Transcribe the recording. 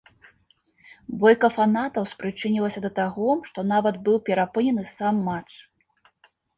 Бойка фанатаў спрычынілася да таго, што нават быў перапынены сам матч.